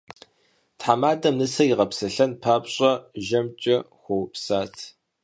Тхьэмадэм нысэр игъэпсэлъэн папщӏэ жэмкӏэ хуэупсат.